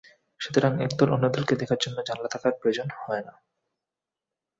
সুতরাং একদল অন্যদলকে দেখার জন্যে জানালা থাকার প্রয়োজন হয় না।